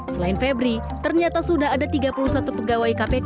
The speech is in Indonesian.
selain febri ternyata sudah ada tiga puluh satu pegawai kpk